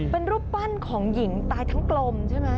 เป็นรูปปั้นของหญิงตายทั้งกลมใช่ไหม